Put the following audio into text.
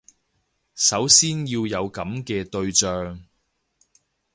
首先要有噉嘅對象